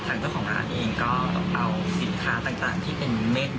ทางเจ้าของร้านเองก็ต้องเอาสินค้าต่างที่เป็นเม็ด